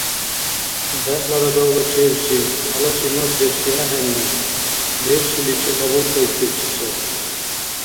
БегӀлара давлачевси — халаси мас лебси ахӀенну, лебсиличи кьабулкайкибси сай.